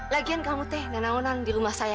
lagian kamu t nahonan di rumah saya